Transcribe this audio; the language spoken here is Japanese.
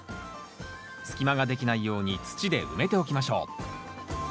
隙間ができないように土で埋めておきましょう。